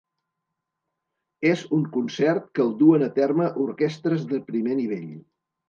És un concert que el duen a terme orquestres de primer nivell.